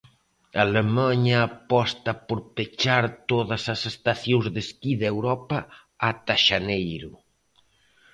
Alemaña aposta por pechar todas as estacións de esquí de Europa ata xaneiro.